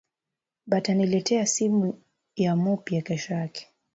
Bata nileteya simu ya mupya keshoyake